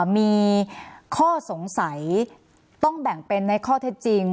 มีข้อสงสัยต้องแบ่งเป็นในข้อเท็จจริง